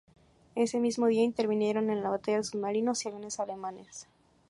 Ese mismo día intervinieron en la batalla submarinos y aviones alemanes.